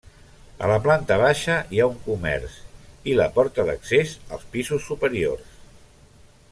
A la planta baixa hi ha un comerç i la porta d'accés als pisos superiors.